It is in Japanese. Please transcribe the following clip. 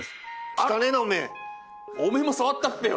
汚えなおめえおめえも触ったっぺよ